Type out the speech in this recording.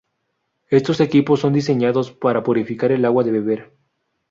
Estos equipos son diseñados para purificar el agua de beber.